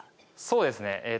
そうですねえ！？